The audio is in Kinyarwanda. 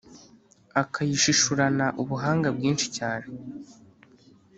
akayishishurana ubuhanga bwinshi cyane